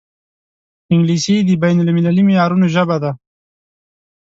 انګلیسي د بین المللي معیارونو ژبه ده